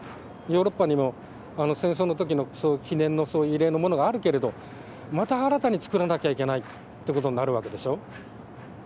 ヨーロッパにもあの戦争のときの記念のそういう慰霊のものがあるけれど、また新たに作らなきゃいけないってことになるわけでしょ。